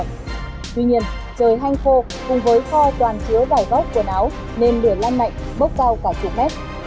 tuy nhiên trời hanh khô cùng với kho toàn chứa vải góc quần áo nền lửa lanh mạnh bốc cao cả chục mét